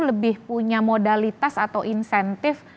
lebih punya modalitas atau insentif